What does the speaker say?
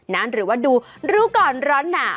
หรือว่าดูรู้ก่อนร้อนหนาว